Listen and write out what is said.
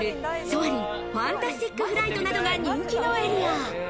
ソアリン：ファンタスティック・フライトなどが人気のエリア。